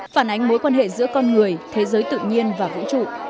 phản ánh mối quan hệ giữa con người thế giới tự nhiên và vũ trụ